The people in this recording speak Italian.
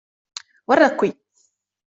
Guarda qui.